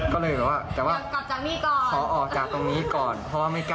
คือมันแวะเข้ามาในตาในสมองใช่ค่ะเห็นเป็นผู้ชายค่ะ